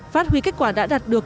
phát huy kết quả đã đạt được